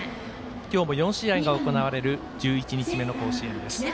今日も４試合が行われる１１日目の甲子園です。